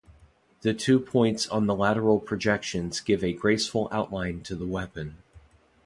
The two points on the lateral projections give a graceful outline to the weapon.